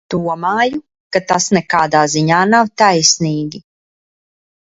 Domāju, ka tas nekādā ziņā nav taisnīgi.